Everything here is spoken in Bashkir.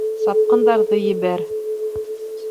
Сапҡындарҙы ебәр.